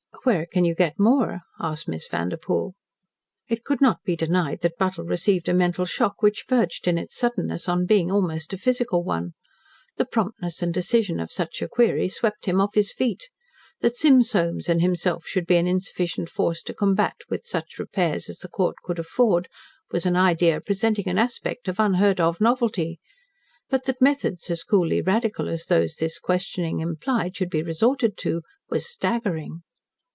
"Where can you get more?" asked Miss Vanderpoel. It could not be denied that Buttle received a mental shock which verged in its suddenness on being almost a physical one. The promptness and decision of such a query swept him off his feet. That Sim Soames and himself should be an insufficient force to combat with such repairs as the Court could afford was an idea presenting an aspect of unheard of novelty, but that methods as coolly radical as those this questioning implied, should be resorted to, was staggering.